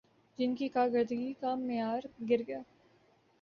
جن کی کارکردگی کا معیار گرگیا